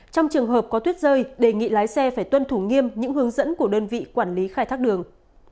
trong trường hợp có tuyết rơi đề nghị lái xe phải tuân thủ nghiêm những hướng dẫn của đơn vị quản lý khai thác đường